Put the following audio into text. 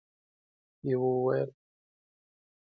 يوه وويل: